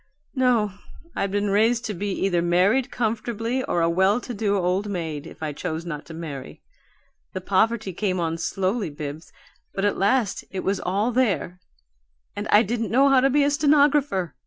No, I'd been raised to be either married comfortably or a well to do old maid, if I chose not to marry. The poverty came on slowly, Bibbs, but at last it was all there and I didn't know how to be a stenographer.